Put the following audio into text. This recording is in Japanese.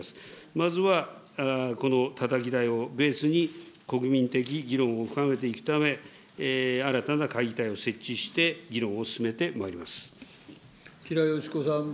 まずはこのたたき台をベースに、国民的議論を深めていくため、新たな会議体を設置して、議論を進吉良よし子さん。